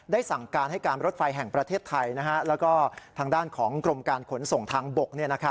สั่งการให้การรถไฟแห่งประเทศไทยแล้วก็ทางด้านของกรมการขนส่งทางบก